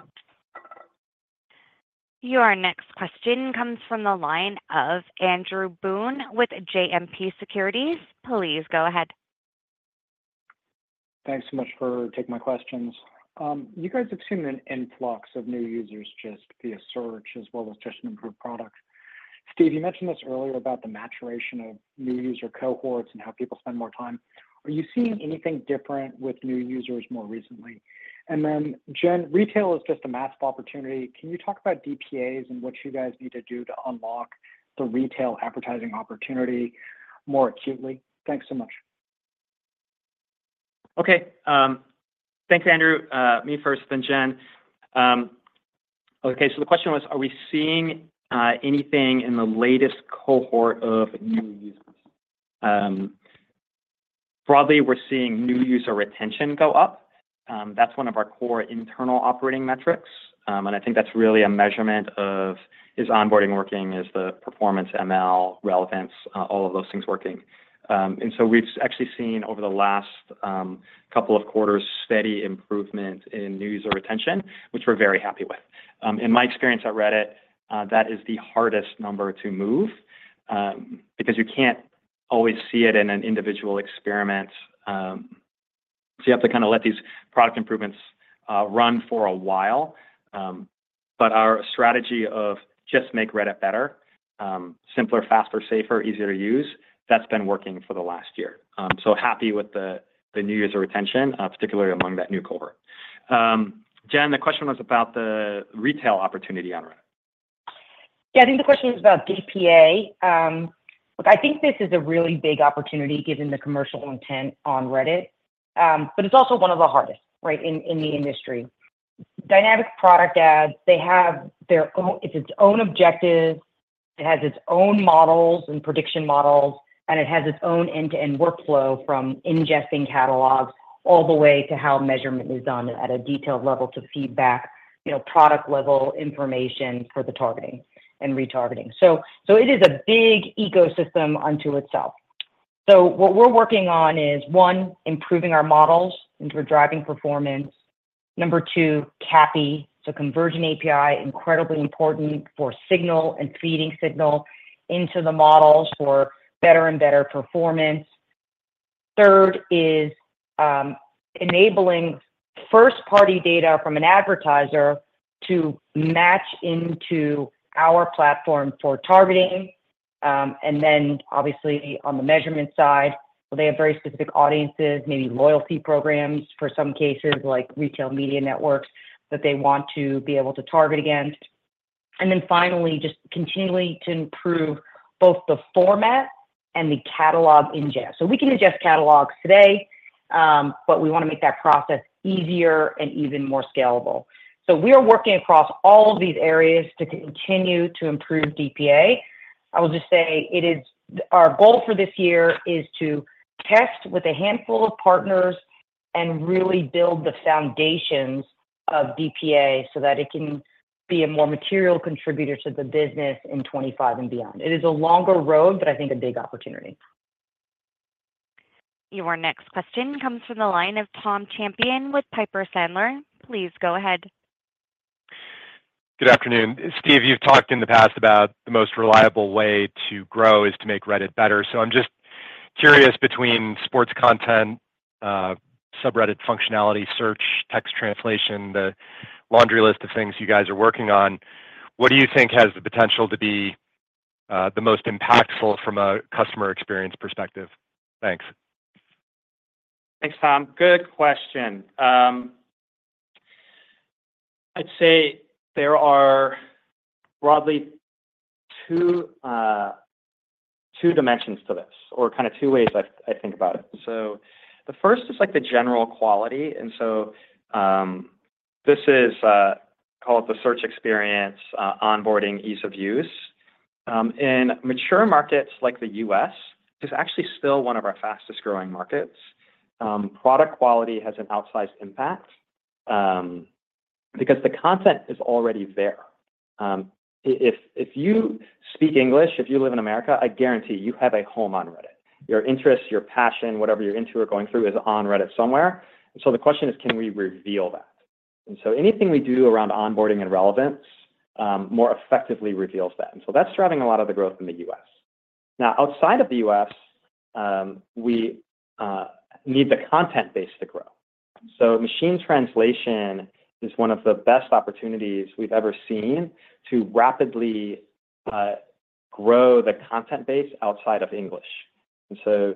Your next question comes from the line of Andrew Boone with JMP Securities. Please go ahead. Thanks so much for taking my questions. You guys have seen an influx of new users just via search as well as just improved products. Steve, you mentioned this earlier about the maturation of new user cohorts and how people spend more time. Are you seeing anything different with new users more recently? And then, Jen, retail is just a massive opportunity. Can you talk about DPAs and what you guys need to do to unlock the retail advertising opportunity more acutely? Thanks so much. Okay, thanks, Andrew. Me first, then Jen. Okay, so the question was, are we seeing anything in the latest cohort of new users? Broadly, we're seeing new user retention go up. That's one of our core internal operating metrics. And I think that's really a measurement of: is onboarding working, is the performance ML, relevance, all of those things working? And so we've actually seen over the last couple of quarters, steady improvement in new user retention, which we're very happy with. In my experience at Reddit, that is the hardest number to move, because you can't always see it in an individual experiment. So you have to kind of let these product improvements run for a while. But our strategy of just make Reddit better, simpler, faster, safer, easier to use, that's been working for the last year. So happy with the new user retention, particularly among that new cohort. Jen, the question was about the retail opportunity on Reddit. Yeah, I think the question is about DPA. Look, I think this is a really big opportunity, given the commercial intent on Reddit, but it's also one of the hardest, right, in the industry. Dynamic Product Ads, they have their own... It's its own objective, it has its own models and prediction models, and it has its own end-to-end workflow from ingesting catalogs, all the way to how measurement is done at a detailed level to feedback, you know, product-level information for the targeting and retargeting. So, so it is a big ecosystem unto itself. So what we're working on is, one, improving our models, and we're driving performance. Number two, CAPI, so Conversion API, incredibly important for signal and feeding signal into the models for better and better performance. Third is, enabling first-party data from an advertiser to match into our platform for targeting. And then obviously, on the measurement side, so they have very specific audiences, maybe loyalty programs for some cases, like retail media networks, that they want to be able to target against. And then finally, just continuing to improve both the format and the catalog ingest. So we can ingest catalogs today, but we want to make that process easier and even more scalable. So we are working across all of these areas to continue to improve DPA. I will just say it is our goal for this year is to test with a handful of partners and really build the foundations of DPA so that it can be a more material contributor to the business in 2025 and beyond. It is a longer road, but I think a big opportunity. Your next question comes from the line of Tom Champion with Piper Sandler. Please go ahead. Good afternoon. Steve, you've talked in the past about the most reliable way to grow is to make Reddit better. So I'm just curious, between sports content, subreddit functionality, search, text translation, the laundry list of things you guys are working on, what do you think has the potential to be, the most impactful from a customer experience perspective? Thanks. Thanks, Tom. Good question. I'd say there are broadly two dimensions to this or kind of two ways I think about it. So the first is, like, the general quality, and so this is, call it the search experience, onboarding, ease of use. In mature markets like the U.S., it's actually still one of our fastest-growing markets. Product quality has an outsized impact, because the content is already there. If you speak English, if you live in America, I guarantee you have a home on Reddit. Your interests, your passion, whatever you're into or going through is on Reddit somewhere. So the question is, can we reveal that? And so anything we do around onboarding and relevance more effectively reveals that. And so that's driving a lot of the growth in the U.S. Now, outside of the U.S., we need the content base to grow. So machine translation is one of the best opportunities we've ever seen to rapidly grow the content base outside of English. And so,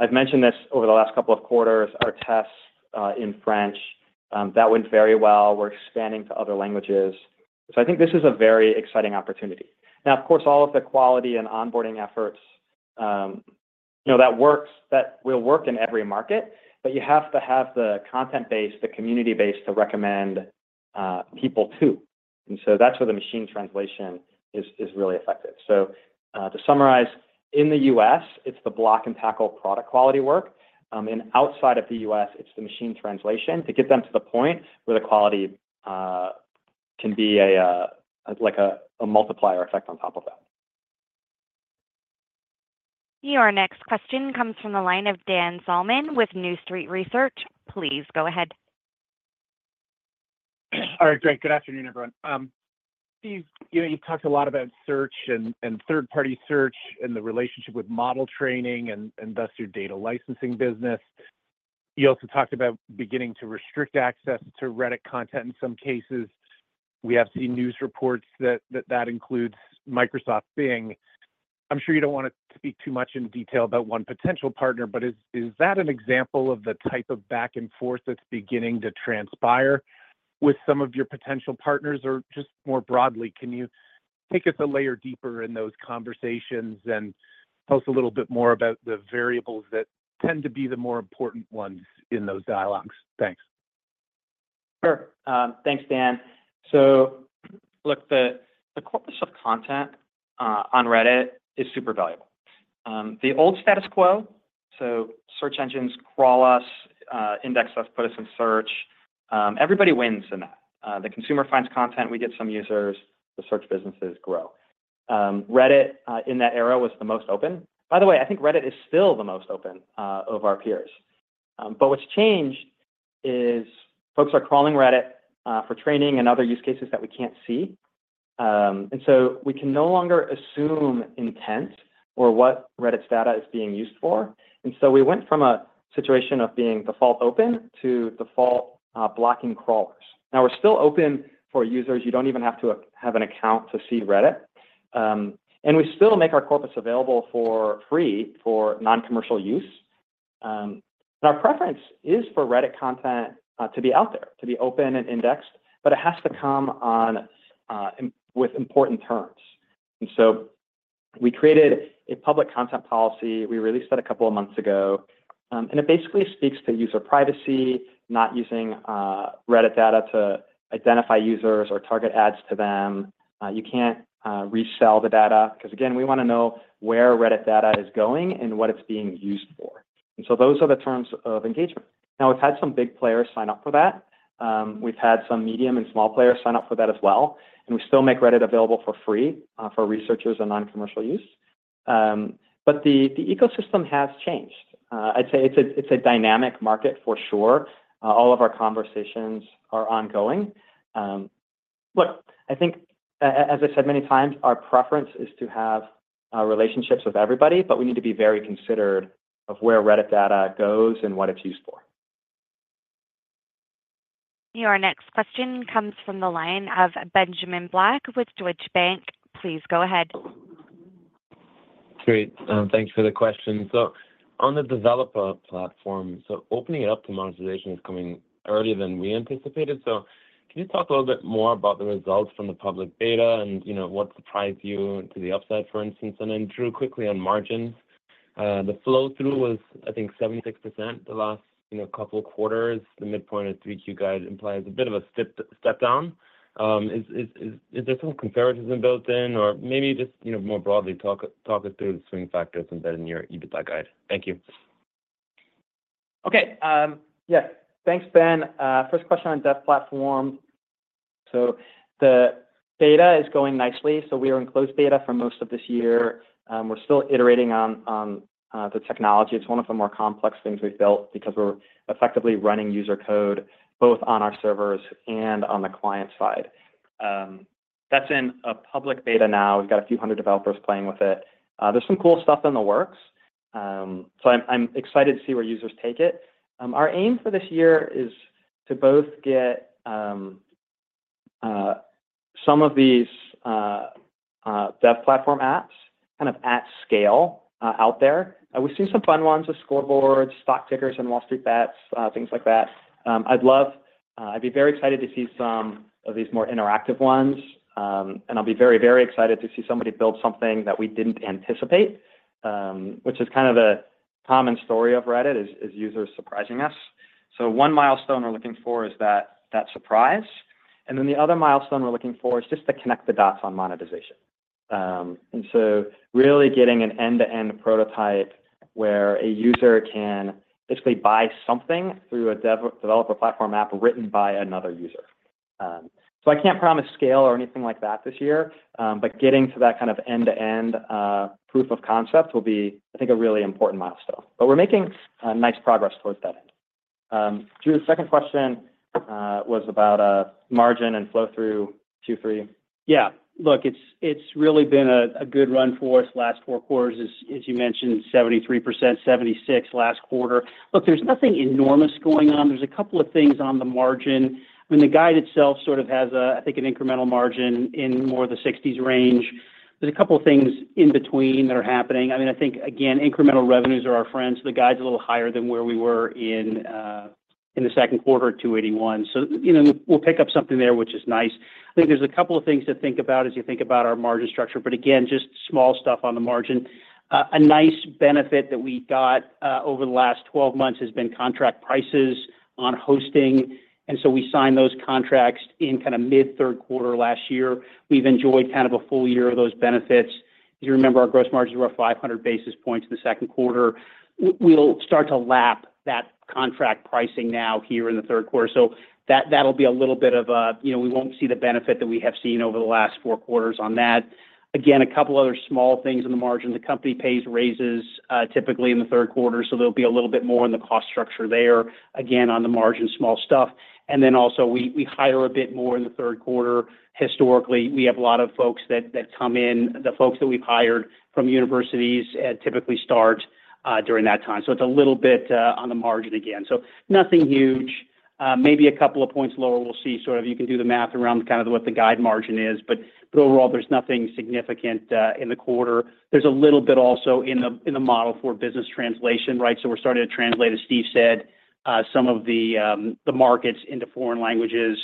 I've mentioned this over the last couple of quarters, our tests in French that went very well. We're expanding to other languages. So I think this is a very exciting opportunity. Now, of course, all of the quality and onboarding efforts, you know, that will work in every market, but you have to have the content base, the community base, to recommend people to. And so that's where the machine translation is really effective. So, to summarize, in the U.S., it's the block-and-tackle product quality work. Outside of the U.S., it's the machine translation to get them to the point where the quality can be like a multiplier effect on top of that. Your next question comes from the line of Dan Salmon with New Street Research. Please go ahead. All right, great. Good afternoon, everyone. Steve, you know, you've talked a lot about search and third-party search and the relationship with model training and thus your data licensing business. You also talked about beginning to restrict access to Reddit content in some cases. We have seen news reports that includes Microsoft Bing. I'm sure you don't want to speak too much in detail about one potential partner, but is that an example of the type of back and forth that's beginning to transpire with some of your potential partners? Or just more broadly, can you take us a layer deeper in those conversations and tell us a little bit more about the variables that tend to be the more important ones in those dialogues? Thanks. Sure. Thanks, Dan. So look, the corpus of content on Reddit is super valuable. The old status quo, so search engines crawl us, index us, put us in search, everybody wins in that. The consumer finds content, we get some users, the search businesses grow. Reddit in that era was the most open. By the way, I think Reddit is still the most open of our peers. But what's changed is folks are crawling Reddit for training and other use cases that we can't see. And so we can no longer assume intent or what Reddit's data is being used for. And so we went from a situation of being default open to default blocking crawlers. Now, we're still open for users. You don't even have to have an account to see Reddit. And we still make our corpus available for free for non-commercial use. Our preference is for Reddit content to be out there, to be open and indexed, but it has to come on with important terms. So we created a public content policy. We released that a couple of months ago, and it basically speaks to user privacy, not using Reddit data to identify users or target ads to them. You can't resell the data, because, again, we want to know where Reddit data is going and what it's being used for. So those are the terms of engagement. Now, we've had some big players sign up for that. We've had some medium and small players sign up for that as well, and we still make Reddit available for free for researchers and non-commercial use. But the ecosystem has changed. I'd say it's a dynamic market for sure. All of our conversations are ongoing. Look, I think as I said many times, our preference is to have relationships with everybody, but we need to be very considered of where Reddit data goes and what it's used for. Your next question comes from the line of Benjamin Black with Deutsche Bank. Please go ahead. Great. Thanks for the question. So on the developer platform, so opening it up to monetization is coming earlier than we anticipated. So can you talk a little bit more about the results from the public beta and, you know, what surprised you to the upside, for instance? And then, Drew, quickly on margins, the flow-through was, I think, 76% the last, you know, couple of quarters. The midpoint of 3Q guide implies a bit of a step down. Is there some conservatism built in, or maybe just, you know, more broadly, talk us through the swing factors embedded in your EBITDA guide? Thank you. Okay, yes. Thanks, Ben. First question on dev platform. So the beta is going nicely, so we are in closed beta for most of this year. We're still iterating on the technology. It's one of the more complex things we've built because we're effectively running user code, both on our servers and on the client side. That's in a public beta now. We've got a few hundred developers playing with it. There's some cool stuff in the works, so I'm excited to see where users take it. Our aim for this year is to both get some of these dev platform apps kind of at scale out there. And we've seen some fun ones with scoreboards, stock tickers, and WallStreetBets, things like that. I'd love, I'd be very excited to see some of these more interactive ones, and I'll be very, very excited to see somebody build something that we didn't anticipate. Which is kind of the common story of Reddit, users surprising us. So one milestone we're looking for is that surprise, and then the other milestone we're looking for is just to connect the dots on monetization. And so really getting an end-to-end prototype where a user can basically buy something through a developer platform app written by another user. So I can't promise scale or anything like that this year, but getting to that kind of end-to-end proof of concept will be, I think, a really important milestone. But we're making nice progress towards that end. Drew, the second question was about margin and flow-through two, three. Yeah. Look, it's really been a good run for us the last four quarters. As you mentioned, 73%, 76% last quarter. Look, there's nothing enormous going on. There's a couple of things on the margin. I mean, the guide itself sort of has a, I think, an incremental margin in more of the 60s range. There's a couple of things in between that are happening. I mean, I think, again, incremental revenues are our friends. The guide's a little higher than where we were in the second quarter at $281. Will pick up something there, which is nice. I think there's a couple of things to think about as you think about our margin structure, but again, just small stuff on the margin. A nice benefit that we got over the last 12 months has been contract prices on hosting, and so we signed those contracts in mid third quarter last year. We've enjoyed kind of a full year of those benefits. If you remember, our gross margins were up 500 basis points in the second quarter. We'll start to lap that contract pricing now here in the third quarter. So that, that'll be a little bit of a... You know, we won't see the benefit that we have seen over the last four quarters on that. Again, a couple other small things on the margin. The company pays raises typically in the third quarter, so there'll be a little bit more in the cost structure there. Again, on the margin, small stuff. And then also, we hire a bit more in the third quarter. Historically, we have a lot of folks that come in. The folks that we've hired from universities typically start during that time. So it's a little bit on the margin again. So nothing huge, maybe a couple of points lower. We'll see. Sort of, you can do the math around kind of what the guide margin is, but overall, there's nothing significant in the quarter. There's a little bit also in the model for business translation, right? So we're starting to translate, as Steve said, some of the markets into foreign languages.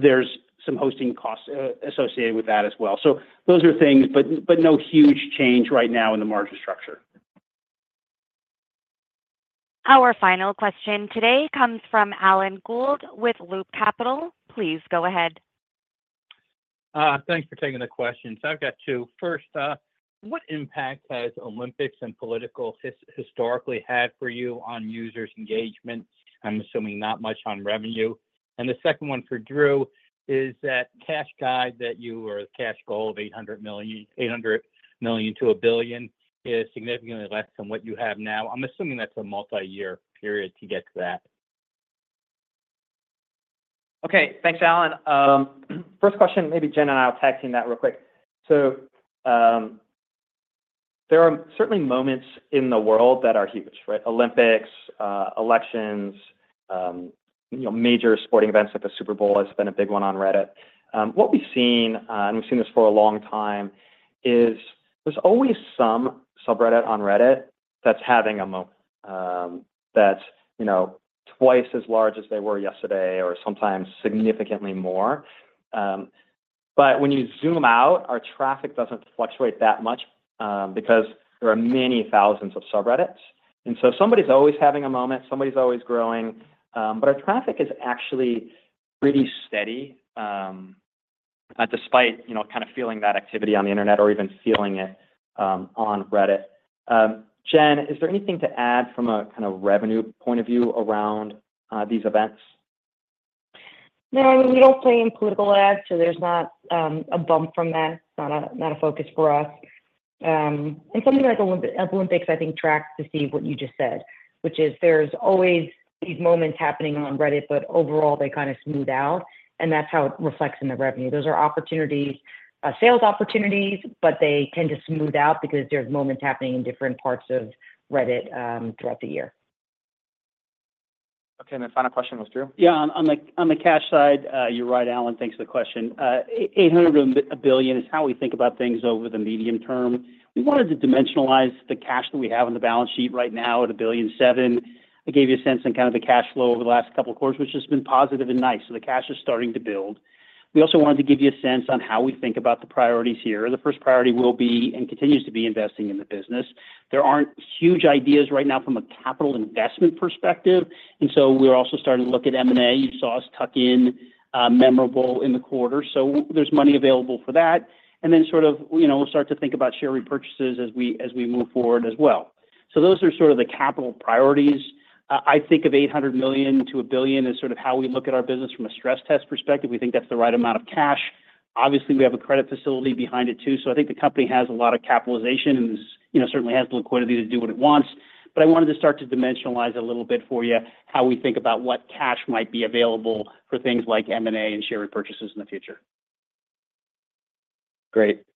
There's some hosting costs associated with that as well. So those are things, but no huge change right now in the margin structure. Our final question today comes from Alan Gould with Loop Capital. Please go ahead. Thanks for taking the question. So I've got two. First, what impact has Olympics and politics historically had for you on users' engagement? I'm assuming not much on revenue. The second one for Drew is that cash guide that you or the cash goal of $800 million-$1 billion is significantly less than what you have now. I'm assuming that's a multi-year period to get to that. Okay, thanks, Alan. First question, maybe Jen and I, I'll tag team that real quick. There are certainly moments in the world that are huge, right? Olympics, elections, you know, major sporting events like the Super Bowl has been a big one on Reddit. What we've seen, and we've seen this for a long time, is there's always some subreddit on Reddit that's having a moment, that's twice as large as they were yesterday or sometimes significantly more. When you zoom out, our traffic doesn't fluctuate that much, because there are many thousands of subreddits. Somebody's always having a moment, somebody's always growing, but our traffic is actually pretty steady, despite feeling that activity on the Internet or even feeling it, on Reddit. Jen, is there anything to add from a kind of revenue point of view around these events? No, we don't play in political ads, so there's not a bump from that. It's not a focus for us. And something like Olympics, I think, tracks to what Steve just said, which is there's always these moments happening on Reddit, but overall, they kind of smooth out, and that's how it reflects in the revenue. Those are opportunities, sales opportunities, but they tend to smooth out because there's moments happening in different parts of Reddit throughout the year. Okay, and the final question was Drew? Yeah, on the cash side, you're right, Alan. Thanks for the question. $800 million-$1 billion is how we think about things over the medium term. We wanted to dimensionalize the cash that we have on the balance sheet right now at $1.7 billion. I gave you a sense on kind of the cash flow over the last couple of quarters, which has been positive and nice, so the cash is starting to build. We also wanted to give you a sense on how we think about the priorities here. The first priority will be, and continues to be, investing in the business. There aren't huge ideas right now from a capital investment perspective, and so we're also starting to look at M&A. You saw us tuck in, Memorable in the quarter, so there's money available for that. Then start to think about share repurchases as we, as we move forward as well. Those are sort of the capital priorities. I think of $800 million-$1 billion is sort of how we look at our business from a stress test perspective. We think that's the right amount of cash. Obviously, we have a credit facility behind it, too, so I think the company has a lot of capitalization and certainly has the liquidity to do what it wants. I wanted to start to dimensionalize a little bit for you how we think about what cash might be available for things like M&A and share repurchases in the future. Great.